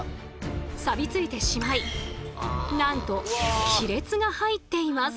サビ付いてしまいなんと亀裂が入っています。